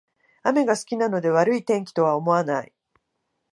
雨が好きなので悪い天気とは思わない